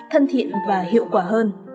thân thiện và hiệu quả hơn